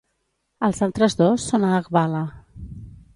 Els altres dos són a Aghvala.